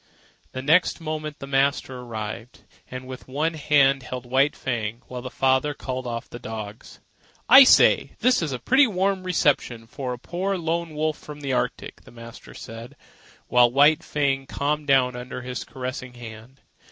The next moment the master arrived, and with one hand held White Fang, while the father called off the dogs. "I say, this is a pretty warm reception for a poor lone wolf from the Arctic," the master said, while White Fang calmed down under his caressing hand.